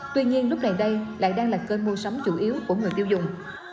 tuy nhiên lúc này đây lại đang là cơn mua sống chủ yếu của người tiêu dùng